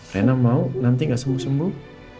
rena mau nanti gak sembuh sembuh